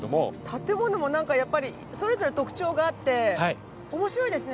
建物もなんかやっぱりそれぞれ特徴があって面白いですね